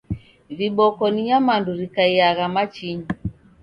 Viboko ni nyamandu rikaiyagha machinyi